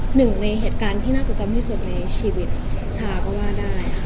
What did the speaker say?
หนึ่งในเหตุการณ์ที่น่าจดจำที่สุดในชีวิตชาก็ว่าได้ค่ะ